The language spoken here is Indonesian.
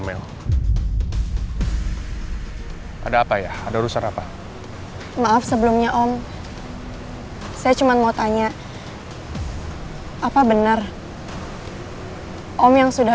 mel ada apa ya ada rusak apa maaf sebelumnya om saya cuma mau tanya apa benar om yang sudah